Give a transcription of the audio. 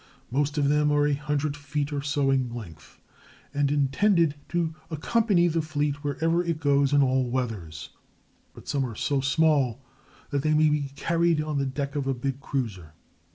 Most of them are a hundred feet or so in length, and intended to accompany the fleet wherever it goes and in all weathers; but some are so small that they may be carried on the deck of a big cruiser.